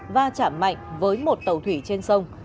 và chảm mạnh với một tàu thủy trên sông